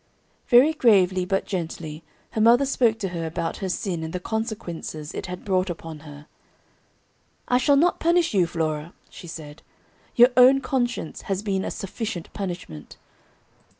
Very gravely, but gently, her mother spoke to her about her sin, and the consequences it had brought upon her. "I shall not punish you, Flora," she said; "your own conscience has been a sufficient punishment.